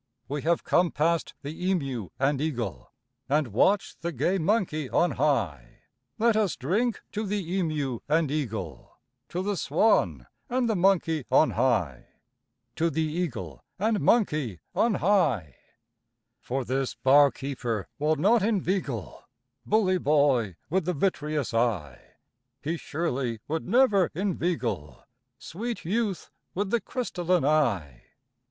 We have come past the emeu and eagle, And watched the gay monkey on high; Let us drink to the emeu and eagle, To the swan and the monkey on high, To the eagle and monkey on high; For this bar keeper will not inveigle, Bully boy with the vitreous eye, He surely would never inveigle, Sweet youth with the crystalline eye."